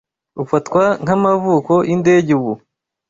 ufatwa nk’Amavuko yindege ubu